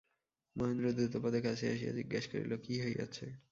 মহেন্দ্র দ্রুতপদে কাছে আসিয়া জিজ্ঞাসা করিল, কী হইয়াছে।